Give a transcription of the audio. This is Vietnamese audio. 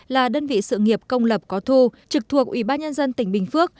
là đơn vị sự nghiệp công lập có thu trực thuộc ủy ban nhân dân tỉnh bình phước